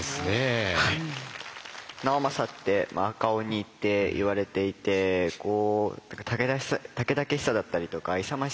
直政って赤鬼っていわれていてたけだけしさだったりとか勇ましさ